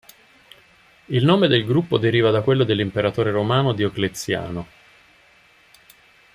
Il nome del gruppo deriva da quello dell'imperatore romano Diocleziano.